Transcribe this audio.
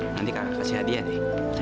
nanti kasih hadiah deh